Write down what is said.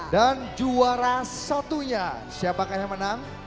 dan juara satunya siapakah yang menang